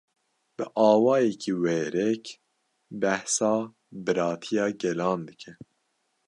Bi awayeke wêrek, behsa biratiya gelan dike